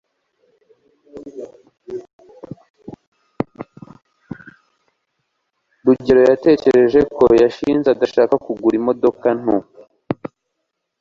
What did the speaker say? rugeyo yatekereje ko gashinzi adashaka kugura imodoka nto